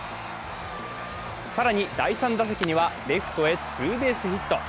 更に第３打席にはレフトへツーベースヒット。